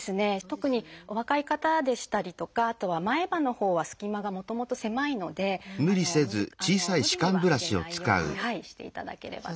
特にお若い方でしたりとかあとは前歯のほうはすき間がもともと狭いので無理には入れないようにしていただければと。